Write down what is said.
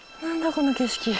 この景色。